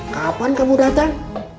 kapan kamu datang